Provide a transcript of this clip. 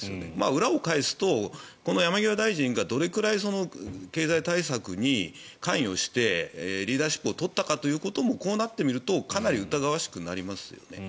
裏を返すとこの山際大臣がどれくらい経済対策に関与してリーダーシップを取ったのかというところもこうなってみるとかなり疑わしくなりますよね。